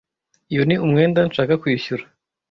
Iyo ni umwenda nshaka kwishyura.